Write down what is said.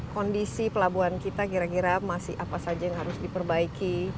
kondisi pelabuhan kita kira kira masih apa saja yang harus diperbaiki